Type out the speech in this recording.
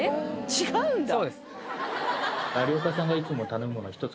違うんだ？